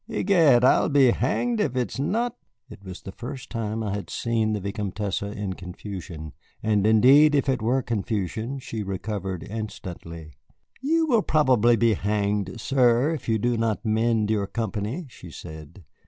"Egad, I'll be hanged if it's not " It was the first time I had seen the Vicomtesse in confusion. And indeed if it were confusion she recovered instantly. "You will probably be hanged, sir, if you do not mend your company," she said.